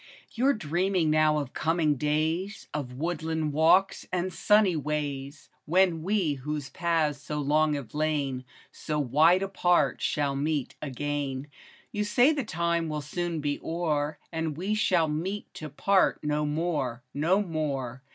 OU 'RE dreaming now of coming days, Of woodland walks and sunny ways, When we, whose paths so long have lain So wide apart, shall meet again ; You say the time will soon be o'er. And we shall meet to part no more, No more